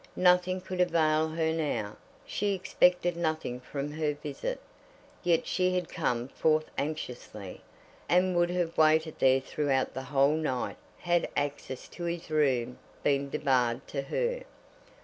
Nothing could avail her now. She expected nothing from her visit; yet she had come forth anxiously, and would have waited there throughout the whole night had access to his room been debarred to her.